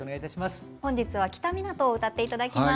本日は「きたみなと」を歌って頂きます。